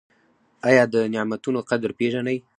ایا د نعمتونو قدر پیژنئ؟